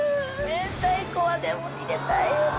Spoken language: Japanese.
明太子はでも入れたいよね。